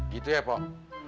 gitu ya pok